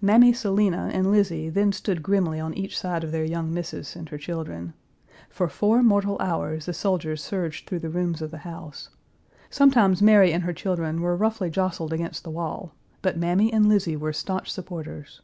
Mammy Selina and Lizzie then stood grimly on each side of their young missis and her children. For four mortal hours the soldiers surged through the rooms of the house. Sometimes Mary and her children were roughly jostled against the wall, but Mammy and Lizzie were stanch supporters.